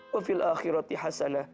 wa fil akhirati hasana